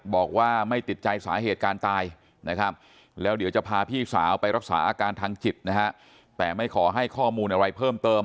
บอกว่าไม่ติดใจสาเหตุการตายนะครับแล้วเดี๋ยวจะพาพี่สาวไปรักษาอาการทางจิตนะฮะแต่ไม่ขอให้ข้อมูลอะไรเพิ่มเติม